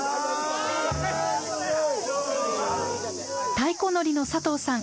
太鼓乗りの佐藤さん